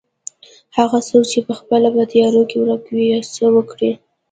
هغه څوک چې پخپله په تيارو کې ورکه وي څه وکړي.